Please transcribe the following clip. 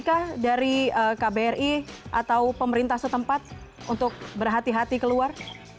kah dari kbri atau pemerintah setempat untuk berhati hati keluar